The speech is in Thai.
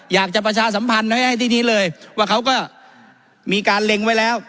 ประชาสัมพันธ์ไว้ให้ที่นี้เลยว่าเขาก็มีการเล็งไว้แล้ว